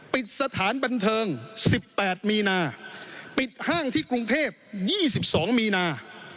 ปิดห้างที่กรุงเทพ๒๒มีนา